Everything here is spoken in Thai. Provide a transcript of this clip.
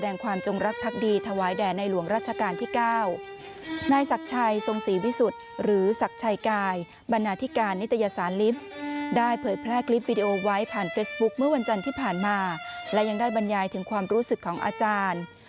นายศักดิ์ชายทรงศรีวิสุทธิ์หรือศักดิ์ชายกายบรรณาธิการนิตยสารลิฟท์ได้เปิดแพลกลิปวิดีโอไว้ผ่านเฟสบุ๊คเมื่อวันจันทร์ที่ผ่านมาและยังได้บรรยายถึงความรู้สึกของอาจารย์